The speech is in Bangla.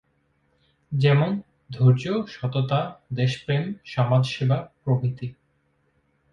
যেমন-ধৈর্য, সততা, দেশপ্রেম, সমাজসেবা প্রভৃতি।